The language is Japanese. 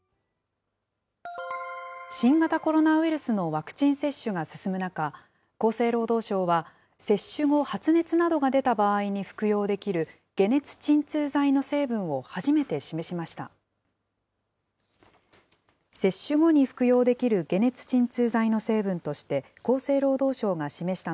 新型コロナウイルスのワクチン接種が進む中、厚生労働省は接種後、発熱などが出た場合に服用できる解熱鎮痛剤の成分を初めて示しました。